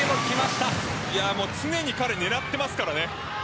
常に彼、狙ってますからね。